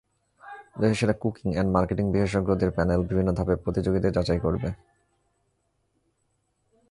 দেশের সেরা cooking and marketing বিশেষজ্ঞদের প্যানেল বিভিন্ন ধাপে প্রতিযোগীদের যাচাই করবে।